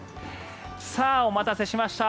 お待たせしました。